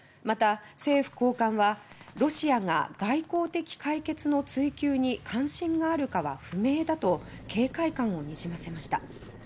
また、政府高官はロシアが外交的解決の追求に関心があるかは不明だと警戒感をにじませました。